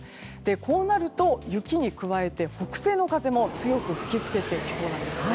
こうなると雪に加えて北西の風も強く吹き付けてきそうなんです。